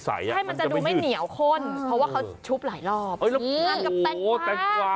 ให้มันจะดูไม่เหนียวข้นเพราะว่าเขาชุบหลายรอบโอ้ยนั่งกับตังกวา